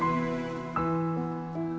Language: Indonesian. memang akhirnya harus pergi